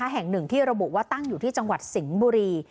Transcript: แห่งหนึ่งที่ระบุว่าตั้งอยู่ที่จังหวัดสิงห์บุรี